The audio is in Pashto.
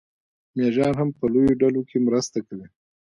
مېږیان هم په لویو ډلو کې مرسته کوي.